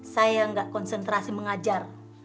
saya gak konsentrasi mengajar